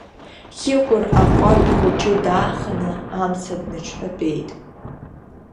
Хьыкәыр аҟәардә хәыҷы дааханы амца дныҽҳәатәеит.